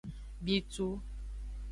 Bitu.